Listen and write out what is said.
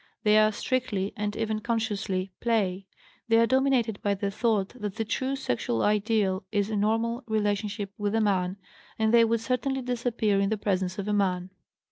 They are strictly, and even consciously, play; they are dominated by the thought that the true sexual ideal is normal relationship with a man, and they would certainly disappear in the presence of a man.